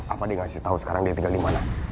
apa dia ngasih tau sekarang dia tinggal dimana